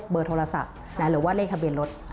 โทรศัพท์หรือว่าเลขทะเบียนรถ